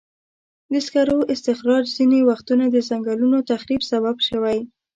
د سکرو استخراج ځینې وختونه د ځنګلونو تخریب سبب شوی.